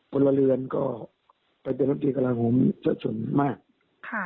พลเรือนก็ไปเป็นนับที่กำลังห่วงเจ็ดสนมาก